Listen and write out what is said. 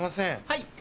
はい。